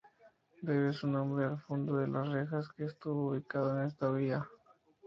Debe su nombre al Fundo de Las Rejas, que estuvo ubicado en esta vía.